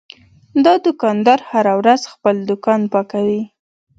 دا دوکاندار هره ورځ خپل دوکان پاکوي.